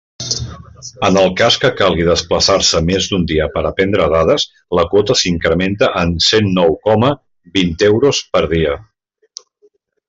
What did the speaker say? En el cas que calgui desplaçar-se més d'un dia per a prendre dades, la quota s'incrementa en cent nou coma vint euros per dia.